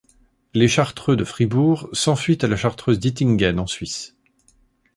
Les chartreux de Fribourg s'enfuient à la chartreuse d'Ittingen en Suisse.